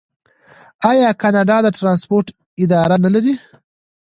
آیا کاناډا د ټرانسپورټ اداره نلري؟